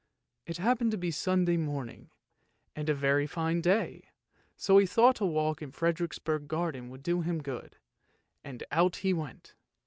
It happened to be Sunday morning, and a very fine day, so he thought a walk in Frederiksborg garden would do him good, and out he went.